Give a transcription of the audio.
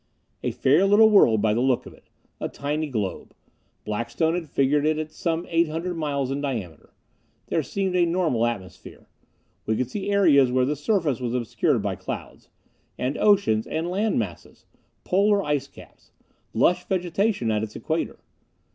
A fair little world, by the look of it. A tiny globe: Blackstone had figured it at some eight hundred miles in diameter. There seemed a normal atmosphere. We could see areas where the surface was obscured by clouds. And oceans, and land masses. Polar icecaps. Lush vegetation at its equator.